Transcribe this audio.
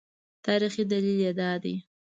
تاریخي دلیل یې دا دی.